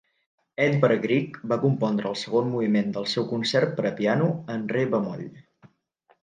Edvard Grieg va compondre el segon moviment del seu concert per a piano en re bemoll.